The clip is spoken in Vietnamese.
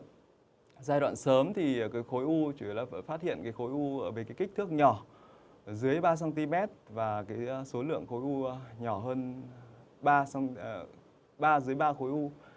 giai đoạn sớm thì khối u chỉ là phát hiện khối u với kích thước nhỏ dưới ba cm và số lượng khối u nhỏ hơn ba dưới ba khối u